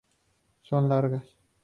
Son largas.